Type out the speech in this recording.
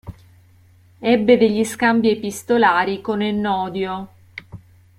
Ebbe degli scambi epistolari con Ennodio.